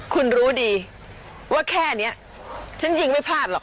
คุณรู้ดีว่าแค่นี้ฉันยิงไม่พลาดหรอก